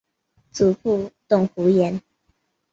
祖父董孚言。